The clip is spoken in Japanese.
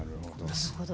なるほど。